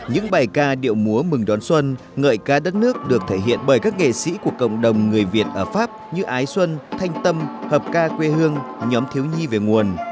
những bài ca điệu múa mừng đón xuân ngợi ca đất nước được thể hiện bởi các nghệ sĩ của cộng đồng người việt ở pháp như ái xuân thanh tâm hợp ca quê hương nhóm thiếu nhi về nguồn